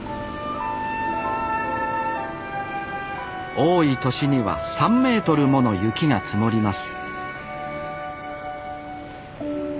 多い年には３ｍもの雪が積もります